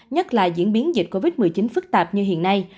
nhất là diễn biến dịch covid một mươi chín phức tạp như hiện nay